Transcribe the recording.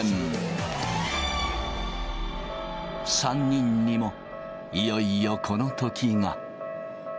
３人にもいよいよこのときが。